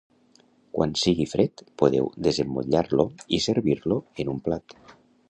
Quan sigui fred, podeu desemmotllar-lo i servir-lo en un plat